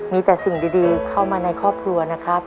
มีแต่สิ่งดีเข้ามาในครอบครัวนะครับ